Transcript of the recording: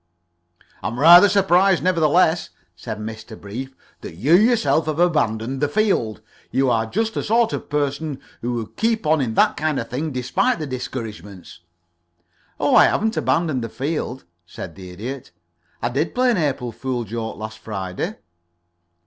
"I am rather surprised, nevertheless," said Mr. Brief, "that you yourself have abandoned the field. You are just the sort of person who would keep on in that kind of thing, despite the discouragements." "Oh, I haven't abandoned the field," said the Idiot. "I did play an April fool joke last Friday."